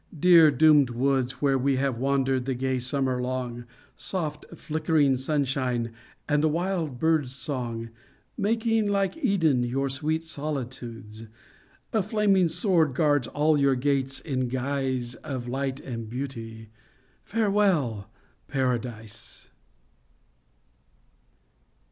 Dear doomed woods, Where we have wandered the gay summer long, Soft, flickering sunshine and the wild bird's song Making like Eden your sweet solitudes — A flaming sword guards all your gates, in guise Of light and beauty : farewell, Paradise